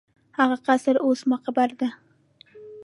هغه قصر اوس مقبره ده.